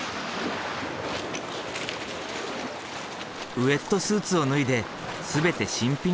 ウェットスーツを脱いで全て新品に着替える。